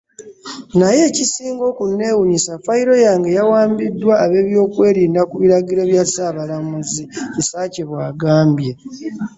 "Naye ekisinga okunneewuunyisa fayiro yange yawambiddwa ab’ebyokwerinda ku biragiro bya Ssaabalamuzi.” Kisakye bw’agambye.